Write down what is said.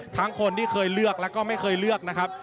คนที่เคยเลือกแล้วก็ไม่เคยเลือกนะครับ